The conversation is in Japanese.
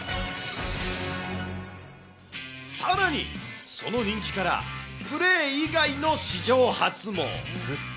さらに、その人気からプレー以外の史上初も。